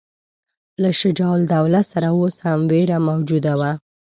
له شجاع الدوله سره اوس هم وېره موجوده وه.